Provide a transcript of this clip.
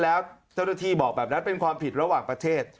แล้วเจ้าหน้าที่บอกแบบนั้นเป็นความผิดระหว่างประเทศ